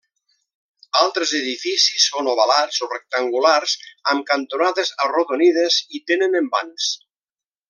Altres edificis són ovalats o rectangulars amb cantonades arrodonides i tenen envans.